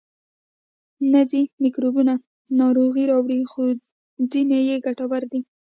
نه ځینې میکروبونه ناروغي راوړي خو ځینې یې ګټور دي